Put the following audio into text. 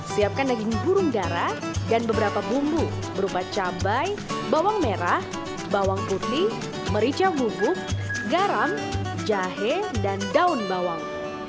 siapkan daging burung darah dan beberapa bumbu berupa cabai bawang merah bawang putih merica bubuk garam jahe dan daun bawang